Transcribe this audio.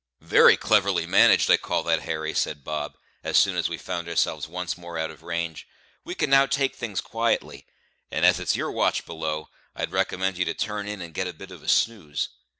"Very cleverly managed, I call that, Harry," said Bob, as soon as we found ourselves once more out of range. "We can now take things quietly; and as it's your watch below, I'd recommend you to turn in and get a bit of a snooze.